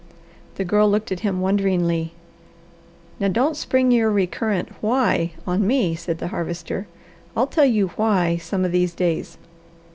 The Girl looked at him wonderingly. "Now don't spring your recurrent 'why' on me," said the Harvester. "I'll tell you 'why' some of these days.